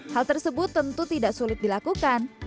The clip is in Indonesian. hal tersebut tentu tidak sulit dilakukan